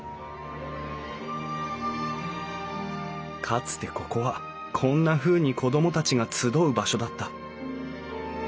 かつてここはこんなふうに子供たちが集う場所だった。